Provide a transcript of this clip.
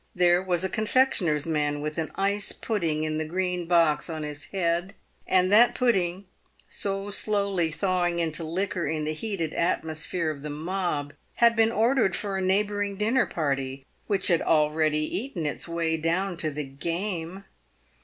There was a confectioner's man with an ice pudding in the green box on his head, and that pudding, so slowly thawing into liquor in the heated atmosphere of the mob, had been ordered for a neighbouring dinner party, /which had already eaten its way down to the game.